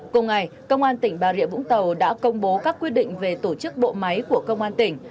cùng ngày công an tỉnh bà rịa vũng tàu đã công bố các quyết định về tổ chức bộ máy của công an tỉnh